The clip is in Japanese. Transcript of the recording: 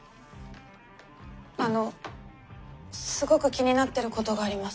あのすごく気になってることがあります。